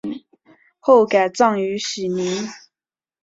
后改葬于禧陵。